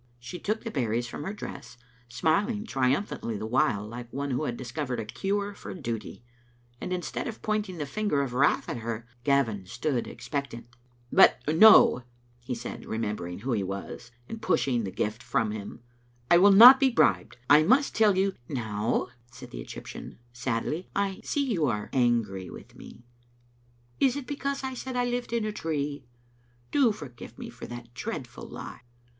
She took the berries from her dress, smiling trium phantly the while like one who had discovered a cure for duty; and instead of pointing the finger of wrath at her, Gavin stood expectant. Digitized by VjOOQ IC Continued Afdbebaviour. 147 "But no," he said, remembering who he was, and pushing the gift from him, " I will not be bribed. I must tell you " "Now," said the Egyptian, sadly, "I see you are angry with me. Is it because I said I lived in a tree? Do forgive me for that dreadful lie."